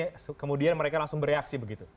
oke kemudian mereka langsung bereaksi begitu